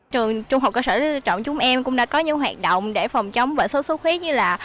trường trung học cơ sở trọng chúng em cũng đã có những hoạt động để phòng chống bệnh suốt suốt huyết như là